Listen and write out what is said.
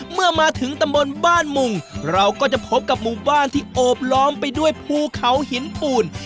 เมื่อมาถึงตำบลบ้านมุงเราก็จะพบกับหมู่บ้านที่โอบล้อมไปด้วยภูเขาหินปูน